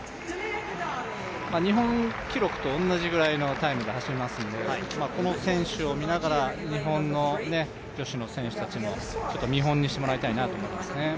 日本記録と同じぐらいのタイムで走りますのでこの選手を見ながら日本の女子の選手たちも見本にしてもらいたいなと思いますね。